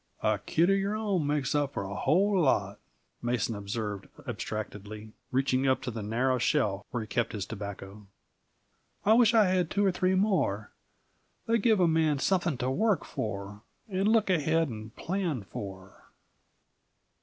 "A kid of your own makes up for a whole lot," Mason observed abstractedly, reaching up to the narrow shelf where he kept his tobacco. "I wish I had two or three more; they give a man something to work for, and look ahead and plan for."